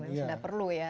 mungkin tidak perlu ya